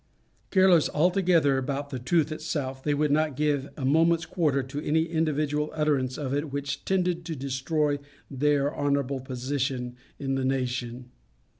Careless altogether about truth itself, they would not give a moment's quarter to any individual utterance of it which tended to destroy their honourable position in the nation.